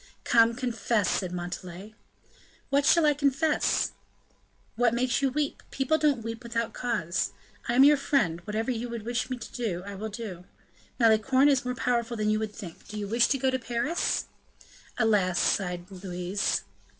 "Come, confess," said Montalais. "What shall I confess?" "What makes you weep; people don't weep without cause. I am your friend; whatever you would wish me to do, I will do. Malicorne is more powerful than you would think. Do you wish to go to Paris?" "Alas!" sighed Louise.